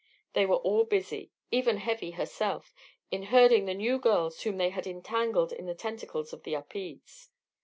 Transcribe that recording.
They were all busy even Heavy herself in herding the new girls whom they had entangled in the tentacles of the Upedes.